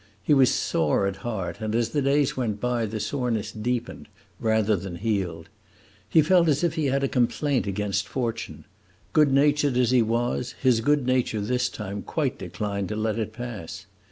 He was sore at heart, and as the days went by the soreness deepened rather than healed. He felt as if he had a complaint against fortune; good natured as he was, his good nature this time quite declined to let it pass.